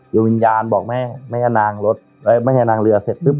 อยู่วิญญาณบอกแม่แม่ยานางรถเอ่อแม่ยานางเรือเสร็จปุ๊บ